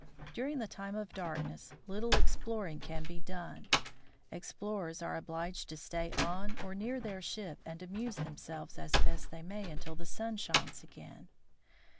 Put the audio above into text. During the time of darkness little exploring can be done. Explorers are obliged to stay on or near their ship and amuse themselves as best they may until the sun shines again.